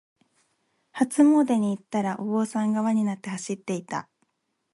初詣に行ったら、お坊さんが輪になって走っていた。